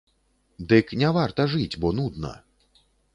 Дык не варта жыць, бо нудна.